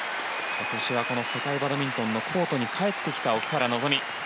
今年は世界バドミントンのコートに帰ってきた奥原希望。